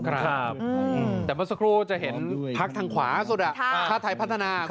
แต่เมื่อสักครู่จะเห็นพักทางขวาสุดชาติไทยพัฒนา